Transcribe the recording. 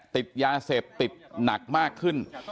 ติดยาเสพติดหนักมากขึ้น